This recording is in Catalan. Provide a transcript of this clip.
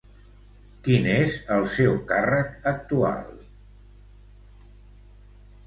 Quin és el seu càrrec actual?